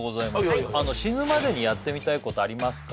はいはいはい死ぬまでにやってみたいことありますか？